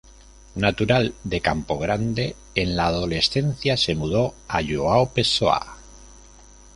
Natural de Campo Grande, en la adolescencia se mudó a João Pessoa.